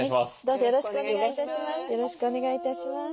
どうぞよろしくお願い致します。